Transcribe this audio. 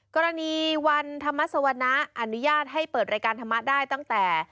กรณีวันธรรมสวนะอนุญาตให้เปิดรายการธรรมะได้ตั้งแต่